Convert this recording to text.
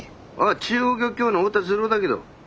中央漁協の太田滋郎だけど。